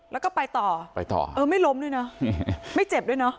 แล้วก็ไปต่อไม่ล้มด้วยนะไม่เจ็บด้วยนะไปต่อ